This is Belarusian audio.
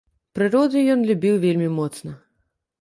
Прыроду ён любіў вельмі моцна.